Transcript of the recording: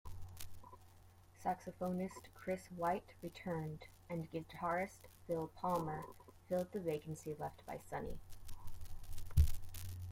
Saxophonist Chris White returned, and guitarist Phil Palmer filled the vacancy left by Sonni.